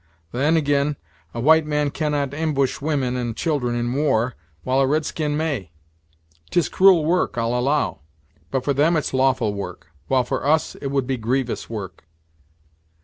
Then ag'in, a white man cannot amboosh women and children in war, while a red skin may. 'Tis cruel work, I'll allow; but for them it's lawful work; while for us, it would be grievous work."